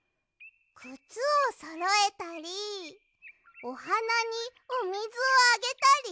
くつをそろえたりおはなにおみずをあげたり？